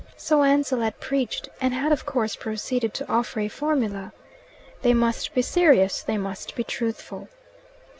So Ansell had preached, and had of course proceeded to offer a formula: "They must be serious, they must be truthful."